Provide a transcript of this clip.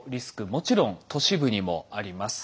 もちろん都市部にもあります。